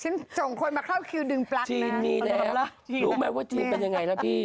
ฉันส่งคนมาเข้าคิวดึงปลั๊กน่ะรู้ไหมว่าทีมเป็นยังไงนะพี่